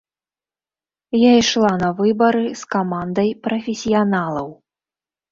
Я ішла на выбары з камандай прафесіяналаў.